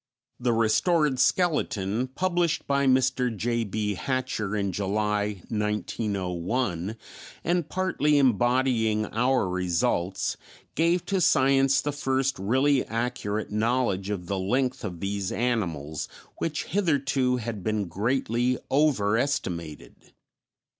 The restored skeleton, published by Mr. J.B. Hatcher in July, 1901, and partly embodying our results, gave to science the first really accurate knowledge of the length of these animals, which hitherto had been greatly overestimated.